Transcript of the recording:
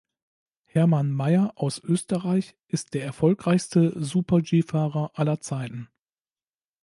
Hermann Maier aus Österreich ist der erfolgreichste Super-G-Fahrer aller Zeiten.